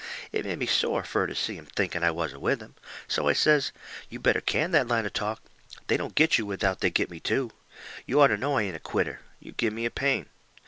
It made me sore fur to see him thinking I wasn't with him. So I says: "You better can that line of talk. They don't get you without they get me, too. You orter know I ain't a quitter. You give me a pain."